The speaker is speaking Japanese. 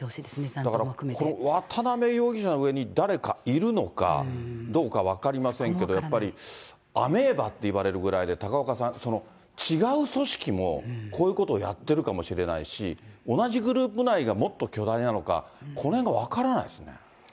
だからこの渡辺容疑者の上に誰かいるのかどうか分かりませんけども、やっぱり、アメーバっていわれるぐらいで、高岡さん、違う組織もこういうことやってるかもしれないし、同じグループ内がもっと巨大なのか、このへんが分からないですね。